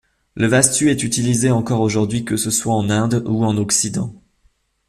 Le Vastu est utilisé encore aujourd'hui, que ce soit en Indeou en Occident.